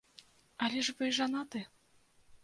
Але ж вы жанаты.